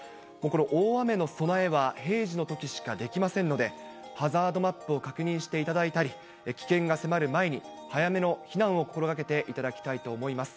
この大雨の備えは、平時のときしかできませんので、ハザードマップを確認していただいたり、危険が迫る前に早めの避難を心がけていただきたいと思います。